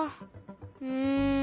うん。